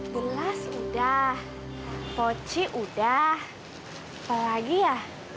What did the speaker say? bulas udah poci udah apa lagi ya